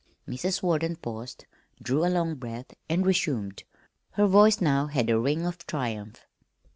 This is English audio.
Mrs. Warden paused, drew a long breath, and resumed. Her voice now had a ring of triumph.